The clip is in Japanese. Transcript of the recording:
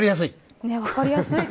分かりやすい。